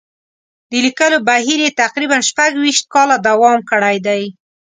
د لیکلو بهیر یې تقریباً شپږ ویشت کاله دوام کړی دی.